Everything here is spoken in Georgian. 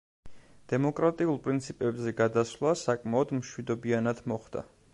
დემოკრატიულ პრინციპებზე გადასვლა საკმაოდ მშვიდობიანად მოხდა.